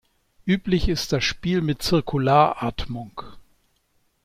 Üblich ist das Spiel mit Zirkularatmung.